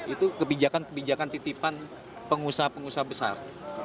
itu kebijakan kebijakan titipan pengusaha pengusaha besar